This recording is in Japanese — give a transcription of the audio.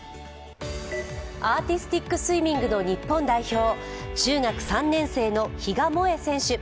アーティスティックスイミングの日本代表、中学３年生の比嘉もえ選手。